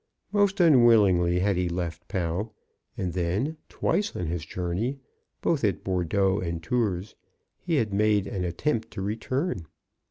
Most unwillingly had he left Pau ; and then, twice on his journey — both at Bordeaux and Tours — he had made aq attempt to return.